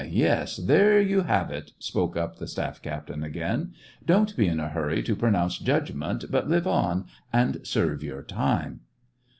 yes, there you have it !" spoke up the staff captain again, "don't be in a hurry to pro SEVASTOPOL IN AUGUST. 215 noimce judgment, but live on and serve your time."